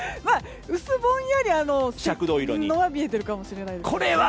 薄ぼんやりは見えているかもしれないですが。